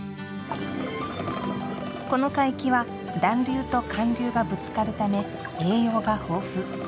この海域は暖流と寒流がぶつかるため栄養が豊富。